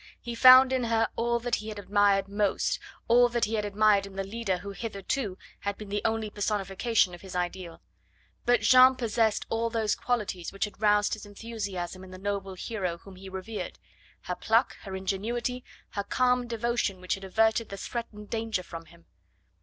He found in her all that he had admired most, all that he had admired in the leader who hitherto had been the only personification of his ideal. But Jeanne possessed all those qualities which had roused his enthusiasm in the noble hero whom he revered. Her pluck, her ingenuity, her calm devotion which had averted the threatened danger from him!